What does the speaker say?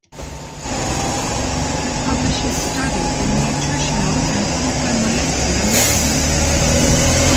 It publishes studies in nutritional and orthomolecular medicine.